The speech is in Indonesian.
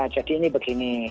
jadi ini begini